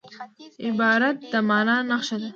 عبارت د مانا نخښه ده.